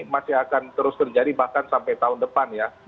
masih akan terus terjadi bahkan sampai tahun depan ya